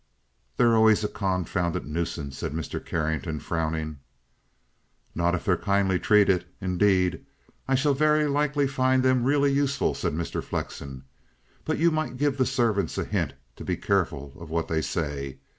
"They're always a confounded nuisance," said Mr. Carrington, frowning. "Not if they're kindly treated. Indeed, I shall very likely find them really useful," said Mr. Flexen. "But you might give the servants a hint to be careful of what they say.